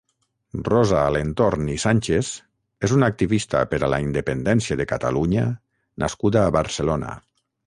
Rosa Alentorn i Sànchez és una activista per a la independència de Catalunya nascuda a Barcelona.